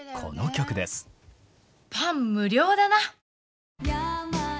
パン無量だな。